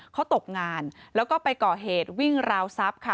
เขาตกงานแล้วก็ไปก่อเหตุวิ่งราวทรัพย์ค่ะ